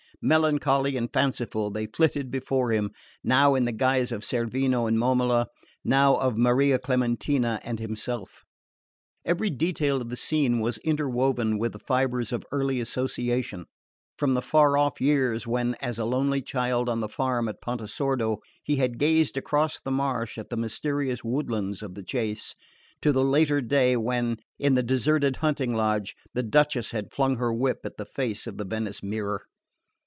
Melancholy and fanciful they flitted before him, now in the guise of Cerveno and Momola, now of Maria Clementina and himself. Every detail of the scene was interwoven with the fibres of early association, from the far off years when, as a lonely child on the farm at Pontesordo, he had gazed across the marsh at the mysterious woodlands of the chase, to the later day when, in the deserted hunting lodge, the Duchess had flung her whip at the face in the Venice mirror.